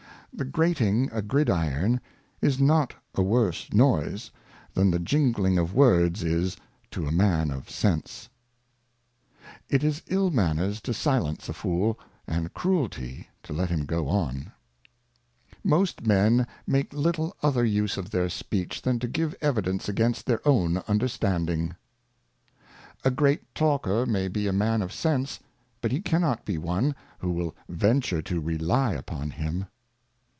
The grating a Gridiron is not a worse Noise, than the jingling of Words is to a Man of Sense. It 236 Moral Thoughts and Reflections. It is Ill manners to silence a Fool, and Cruelty to let him go on. Most Men make little other use of their Speech than to give evidence against their own Understanding. A great Talker may be a Man of Sense, but he cannot be one, who will venture to rely upon him.